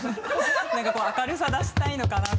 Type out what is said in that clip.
何かこう明るさ出したいのかな？